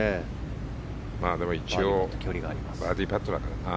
でも、一応バーディーパットだからね。